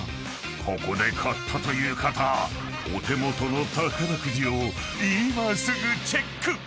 ［ここで買ったという方お手元の宝くじを今すぐチェック！］